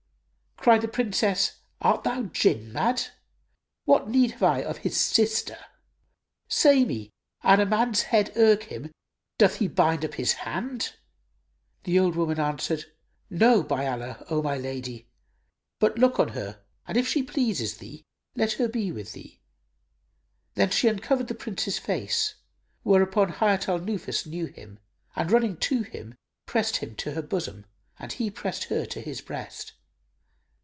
Cried the Princess, "Art thou Jinn mad? What need have I of his sister? Say me, an a man's head irk him, doth he bind up his hand?" The old woman answered, "No, by Allah, O my lady! But look on her, and if she pleases thee, let her be with thee." Then she uncovered the Prince's face, whereupon Hayat al Nufus knew him and running to him, pressed him to her bosom, and he pressed her to his breast.